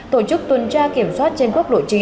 tổ chức tuần tra kiểm soát trên quốc lộ chín